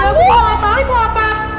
ya gua gak tau itu apa